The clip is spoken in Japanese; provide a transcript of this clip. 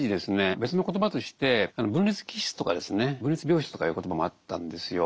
別の言葉として「分裂気質」とかですね「分裂病質」とかいう言葉もあったんですよ。